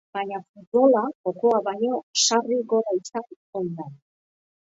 Baina futbola jokoa baino, sarri gola izan ohi da.